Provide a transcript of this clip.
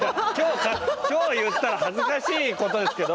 今日言ったら恥ずかしいことですけど。